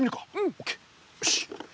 オッケーよし。